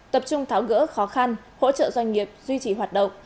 tập trung tháo gỡ khó khăn hỗ trợ doanh nghiệp duy trì hoạt động